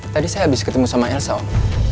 tadi saya habis ketemu sama elsa om